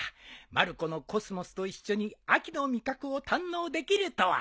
まる子のコスモスと一緒に秋の味覚を堪能できるとは。